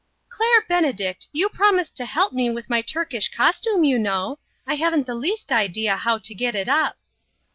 " Claire Benedict, you promised to help me with my Turkish costume, you know. I haven't the least idea how to get it up."